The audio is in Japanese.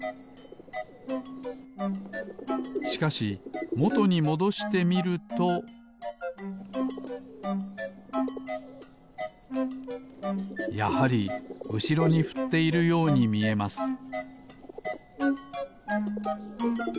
しかしもとにもどしてみるとやはりうしろにふっているようにみえます